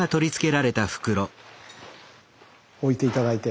置いて頂いて。